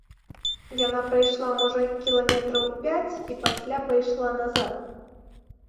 Яна прайшла, можа, кіламетраў пяць і пасля пайшла назад.